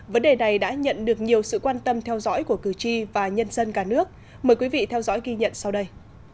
vấn đề này đã nhận được nhiều sự quan tâm theo dõi của cử tri và nhân dân cả nước mời quý vị theo dõi ghi nhận sau đây